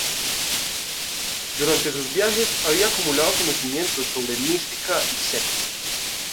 Durante sus viajes había acumulado conocimientos sobre mística y sectas separatistas cristianas y judaicas.